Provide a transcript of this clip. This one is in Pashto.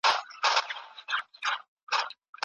باید د لوستلو په برخه کې لومړیتوبونه وټاکل شي.